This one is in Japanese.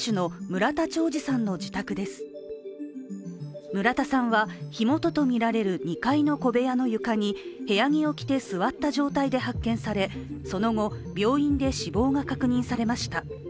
村田さんは、火元とみられる２階の小部屋の床に部屋着を着て座った状態で発見され、その後、病院で死亡が確認されました。